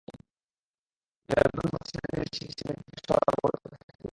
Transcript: জয়ের গন্ধ পাচ্ছে হাঙ্গেরির সিগেতভার শহর অবরোধ করে রাখা তুর্কি বাহিনী।